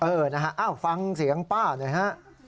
เออนะฮะฟังเสียงป้าหน่อยฮะ